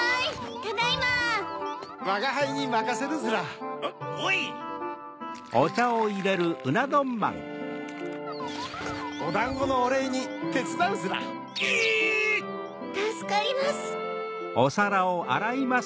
たすかります。